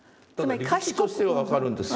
理屈としては分かるんですよ。